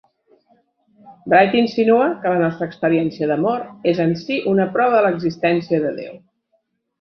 Wright insinua que la nostra experiència d'amor és en si una prova de l'existència de Déu.